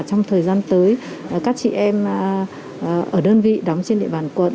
trong thời gian tới các chị em ở đơn vị đóng trên địa bàn quận